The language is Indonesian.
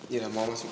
jiran mau gak masuk